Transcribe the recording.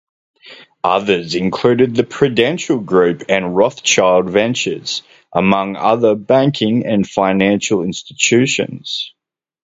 Others included the Prudential Group and Rothschild Ventures, among other banking and financial institutions.